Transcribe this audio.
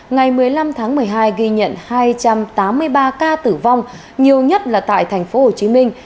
ngày một mươi năm tháng một mươi hai ghi nhận hai trăm tám mươi ba ca tử vong nhiều nhất là tại thành phố hồ chí minh